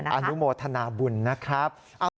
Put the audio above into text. อนุโมทนาบุญนะครับ